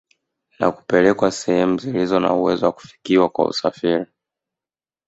Na kupelekwa sehemu zilizo na uwezo wa kufikiwa kwa usafiri